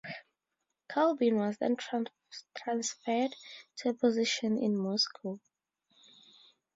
Kolbin was then transferred to a position in Moscow.